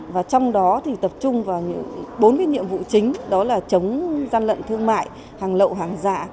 và trong đó thì tập trung vào những bốn cái nhiệm vụ chính đó là chống gian lận thương mại hàng lậu hàng giả